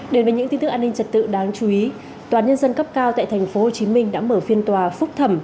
đến với những tin tức an ninh trật tự đáng chú ý tòa nhân dân cấp cao tại tp hcm đã mở phiên tòa phúc thẩm